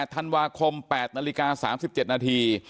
ธันวาคม๘นาฬิกา๓๗นาที